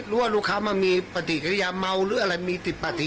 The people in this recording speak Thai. รู้ว่าลูกค้ามันมีปฏิกิริยาเมาหรืออะไรมีปฏิกิริยาอะไรไหม